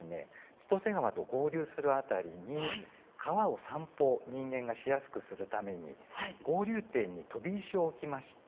千歳川と合流する辺りに川を散歩人間がしやすくするために合流点に飛び石を置きまして。